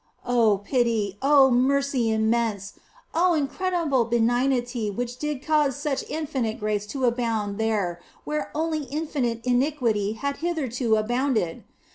Oh, pity ! Oh, mercy immense ! Oh, incredible be nignity which did cause such infinite grace to abound there where only infinite iniquity had hitherto abounded